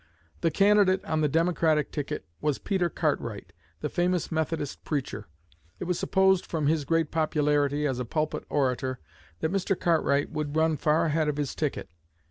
The candidate on the Democratic ticket was Peter Cartwright, the famous Methodist preacher. It was supposed from his great popularity as a pulpit orator that Mr. Cartwright would run far ahead of his ticket.